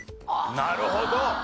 なるほど！